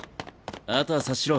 あとは察しろ。